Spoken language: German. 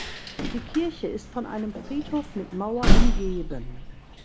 Die Kirche ist von einem Friedhof mit Mauer umgeben.